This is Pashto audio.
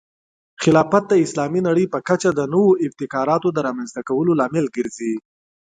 خلافت د اسلامي نړۍ په کچه د نوو ابتکاراتو د رامنځته کولو لامل ګرځي.